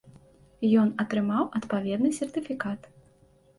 Ён атрымаў адпаведны сертыфікат.